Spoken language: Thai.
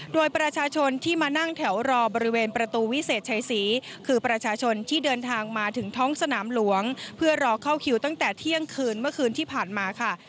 โดยประชาชนที่มานั่งแถวรอบริเวณประตูวิเศษชัยศรีคือประชาชนที่เดินทางมาถึงท้องสนามหลวงเพื่อรอเข้าคิวตั้งแต่เที่ยงคืนเมื่อคืนที่ผ่านมาค่ะ